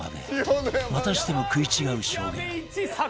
またしても食い違う証言